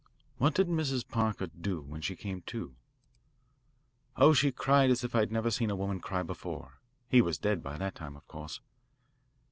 "What did Mrs. Parker do when she came to?" "Oh, she cried as I have never seen a woman cry before. He was dead by that time, of course."